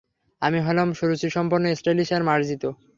আমি হলাম সুরুচিসম্পন্ন, স্টাইলিশ আর মার্জিত।